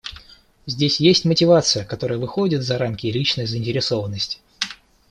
Здесь есть мотивация, которая выходит за рамки личной заинтересованности.